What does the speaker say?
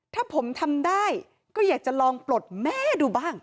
ถ้าผมทำได้ก็อยากจะลองปลดแม่ดูบ้าง